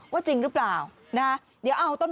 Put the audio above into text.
ว่าจริงหรือเปล่านะ